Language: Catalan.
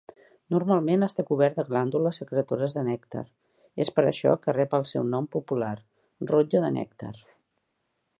Normalment està cobert de glàndules secretores de nèctar, és per això que rep el seu nom popular, rotlle de nèctar.